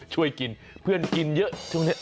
ช่วยกินเพื่อนกินเยอะ